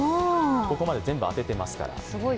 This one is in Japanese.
ここまで全部当ててますから。